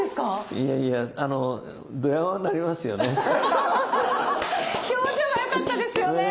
いやいや表情がよかったですよね！